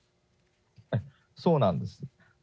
そうなんです。